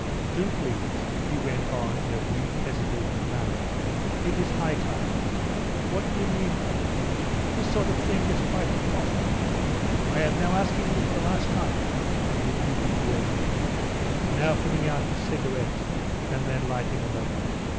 "Do, please," he went on in a weak, hesitating manner. "It is high time. What do you mean by it? This sort of thing is quite impossible. I am now asking you for the last time," he repeated wearily, now putting out his cigarette and then lighting another.